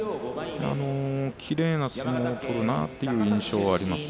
きれいな相撲を取るなという印象があります。